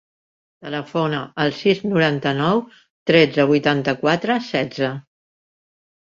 Telefona al sis, noranta-nou, tretze, vuitanta-quatre, setze.